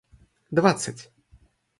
двадцать